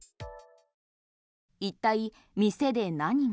一体、店で何が。